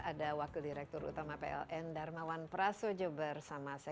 ada wakil direktur utama pln darmawan prasojo bersama saya